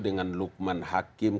dengan lukman hakim